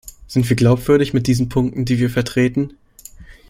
Sind wir glaubwürdig mit diesen Punkten, die wir vertreten?